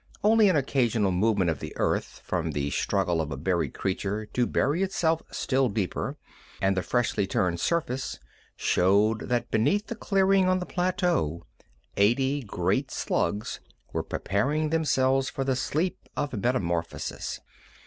Only an occasional movement of the earth from the struggle of a buried creature to bury itself still deeper, and the freshly turned surface showed that beneath the clearing on the plateau eighty great slugs were preparing themselves for the sleep of metamorphosis.